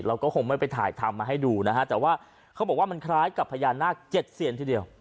เราก็คงไม่ไปถ่ายทำมาให้ดูนะฮะแต่ว่าเขาบอกว่ามันคล้ายกับพญานาคเจ็ดเซียนทีเดียว